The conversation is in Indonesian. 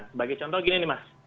sebagai contoh gini mas